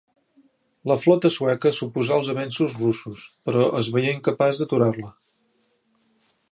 La flota sueca s'oposà als avenços russos però es veié incapaç d'aturar-la.